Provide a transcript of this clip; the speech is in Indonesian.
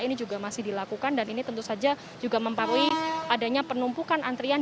ini juga masih dilakukan dan ini tentu saja juga mempengaruhi adanya penumpukan antrian